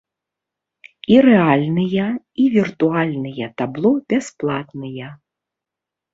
І рэальныя, і віртуальныя табло бясплатныя.